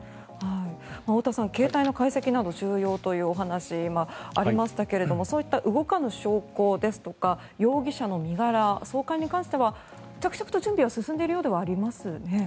太田さん、携帯の解析など重要というお話がありましたがそういった動かぬ証拠ですとか容疑者の身柄送還に関しては着々と準備が進んでいるようではありますね。